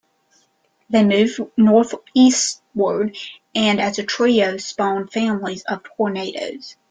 They moved northeastward, and as a trio spawned families of tornadoes.